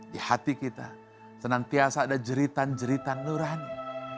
di hati kita senantiasa ada jeritan jeritan nurani